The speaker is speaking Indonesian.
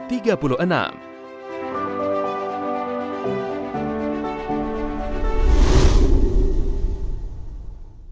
dan m bikin kemampuan meragam